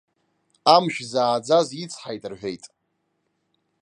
Амшә зааӡаз ицҳаит рҳәеит.